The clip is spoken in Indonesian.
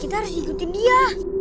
kita harus ikutin dia